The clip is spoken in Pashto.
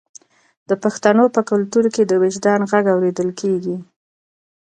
د پښتنو په کلتور کې د وجدان غږ اوریدل کیږي.